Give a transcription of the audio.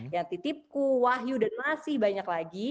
yang titipku wahyu dan masih banyak lagi